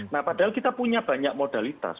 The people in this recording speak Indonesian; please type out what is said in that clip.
nah padahal kita punya banyak modalitas